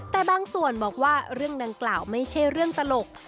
แต่บางส่วนบอกว่าเรื่องดังกล่าวไม่ใช่เรื่องตลก